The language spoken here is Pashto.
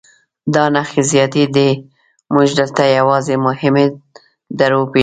دا نښې زیاتې دي موږ دلته یوازې مهمې در وپېژندلې.